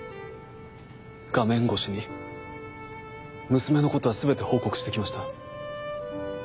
画面越しに娘のことは全て報告して来ました。